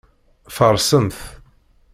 Farsemt.